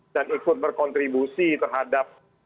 dan ikut berkontribusi terhadap